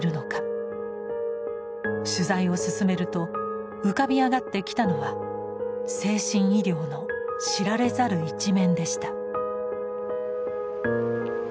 取材を進めると浮かび上がってきたのは精神医療の知られざる一面でした。